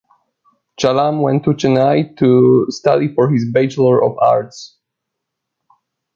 Chalam went to Chennai to study for his Bachelor of Arts.